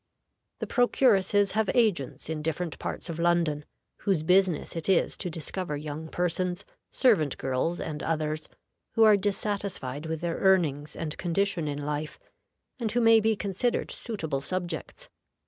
The procuresses have agents in different parts of London, whose business it is to discover young persons, servant girls and others, who are dissatisfied with their earnings and condition in life, and who may be considered suitable subjects.